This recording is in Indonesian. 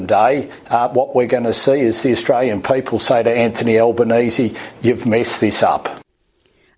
pemerintah yang diberikan hari ini apa yang kita akan lihat adalah orang orang australia mengatakan ke anthony albanese anda telah menggabungkan ini